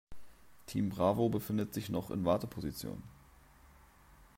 Team Bravo befindet sich noch in Warteposition.